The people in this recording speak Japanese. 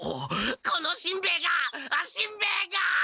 このしんべヱがしんべヱが！